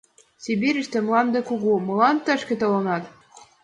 Сибирьыште мланде кугу, молан тышке толынат?